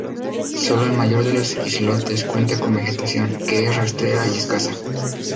Sólo el mayor de los islotes cuenta con vegetación, que es rastrera y escasa.